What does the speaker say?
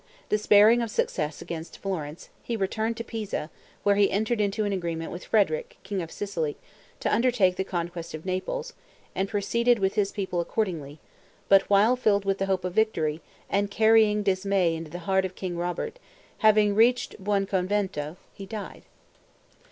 Despairing of success against Florence, he returned to Pisa, where he entered into an agreement with Frederick, king of Sicily, to undertake the conquest of Naples, and proceeded with his people accordingly; but while filled with the hope of victory, and carrying dismay into the heart of King Robert, having reached Buonconvento, he died.